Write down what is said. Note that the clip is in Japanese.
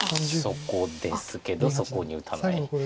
そこですけどそこに打たない。